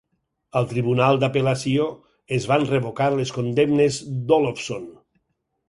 Al tribunal d'apel·lació, es van revocar les condemnes d'Olofsson.